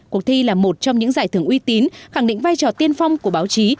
cuộc thi là một trong những giải thưởng uy tín khẳng định vai trò tiên phong của báo chí